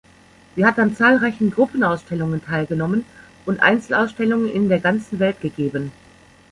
Sie hat an zahlreichen Gruppenausstellungen teilgenommen und Einzelausstellungen in der ganzen Welt gegeben.